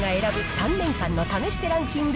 ３年間の試してランキング